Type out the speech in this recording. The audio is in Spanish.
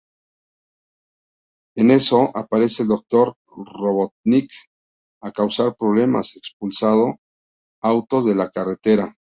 En eso, aparece el Dr. Robotnik a causar problemas, expulsando autos de la carretera.